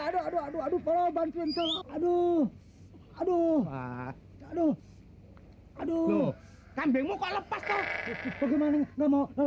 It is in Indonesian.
aduh aduh aduh aduh aduh aduh aduh aduh aduh aduh aduh aduh aduh aduh aduh aduh aduh aduh aduh aduh aduh